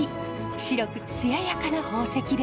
白く艶やかな宝石です。